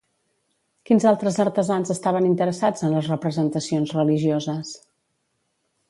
Quins altres artesans estaven interessats en les representacions religioses?